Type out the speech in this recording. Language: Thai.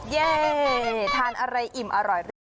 เย่ทานอะไรอิ่มอร่อย